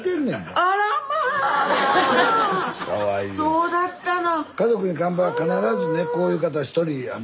そうだったの！